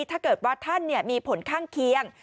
ถ้าเกิดว่าท่านมีผลข้างเคียง